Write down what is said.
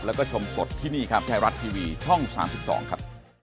แล้วก็ชมสดที่นี่ครับไทยรัสทีวีช่องสามสิบสองครับ